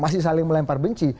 masih saling melempar benci